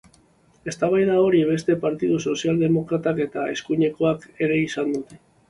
Eztabaida hori beste partidu sozialdemokratek eta eskuinekoek ere izan dute.